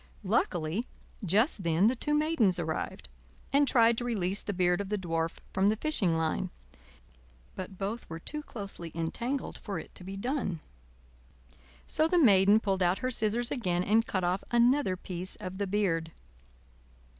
Luckily just then the two Maidens arrived, and tried to release the beard of the Dwarf from the fishing line; but both were too closely entangled for it to be done. So the Maiden pulled out her scissors again and cut off another piece of the beard.